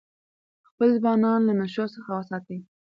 خپل ځوانان له نشو څخه وساتئ.